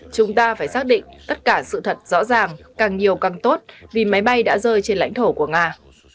chúng ta phải xác định tất cả sự thật rõ ràng càng nhiều càng tốt vì máy bay đã rơi trên lãnh thổ của nga